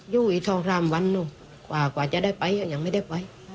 อยู่ที่ทองรามวันนู้นกว่าจะได้ไปก็ยังไม่ได้ไป